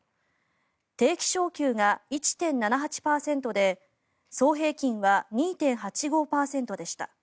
定期昇給が１．７８％で総平均は２．８５％でした。